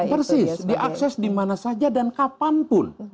persis diakses dimana saja dan kapan pun